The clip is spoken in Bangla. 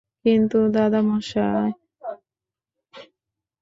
কিন্তু দাদা মহাশয় ব্যতীত আর কাহারাে কাছে কোন অবস্থাতেই বিভার মুখ খুলে না।